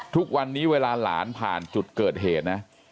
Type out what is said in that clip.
ทุกวันนี้เวลาหลานผ่านจุดเกิดเหตุนะ